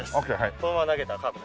このまま投げたらカーブで。